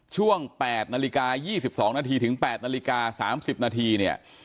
ช่วง๘นาฬิกา๒๒นาทีถึง๘นาฬิกา๓๐นาทีเนี่ย